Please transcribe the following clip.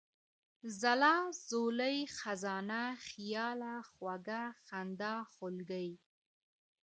ځلا ، ځولۍ ، خزانه ، خياله ، خوږه ، خندا ، خولگۍ ،